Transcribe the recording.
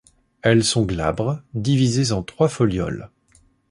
Elles sont glabres, divisées en trois folioles.